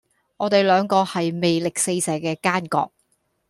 我地兩個係魅力四射既奸角